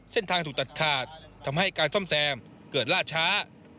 เส้นทางถูกตัดขาดทำให้การซ่อมแซมเกิดล่าช้า